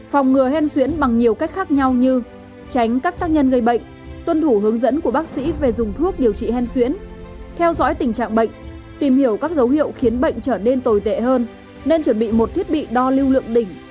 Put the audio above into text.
phòng ngừa hen xuyễn bằng nhiều cách khác nhau như tránh các tác nhân gây bệnh tuân thủ hướng dẫn của bác sĩ về dùng thuốc điều trị hen xuyễn theo dõi tình trạng bệnh tìm hiểu các dấu hiệu khiến bệnh trở nên tồi tệ hơn nên chuẩn bị một thiết bị đo lưu lượng đỉnh